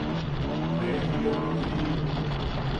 ¡Ne jijiok juniʼi!